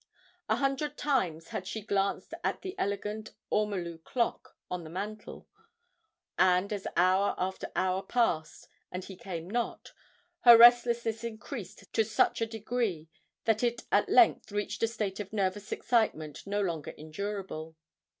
A hundred times had she glanced at the elegant or molu clock on the mantel—and as hour after hour passed, and he came not, her restlessness increased to such a degree that it at length reached a state of nervous excitement no longer endurable.